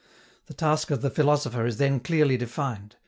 The task of the philosopher is then clearly defined.